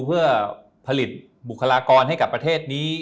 เพื่อผลิตบุคลากรให้กับประเทศนี้